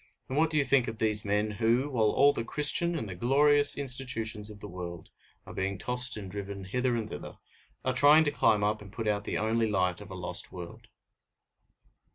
And what do you think of these men, who, while all the Christian and the glorious institutions of the world are being tossed and driven hither and thither, are trying to climb up and put out the only light of a lost world?